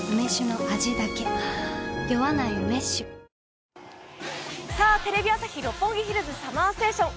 ニトリテレビ朝日・六本木ヒルズＳＵＭＭＥＲＳＴＡＴＩＯＮ。